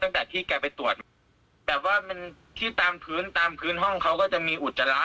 ตั้งแต่ที่แกไปตรวจแบบว่ามันที่ตามพื้นตามพื้นห้องเขาก็จะมีอุจจาระ